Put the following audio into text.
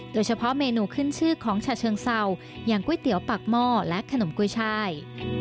โดยเฉพาะเมนูขึ้นชื่อของฉะเชิงเศร้าอย่างก๋วยเตี๋ยวปากหม้อและขนมกุ้ยชาย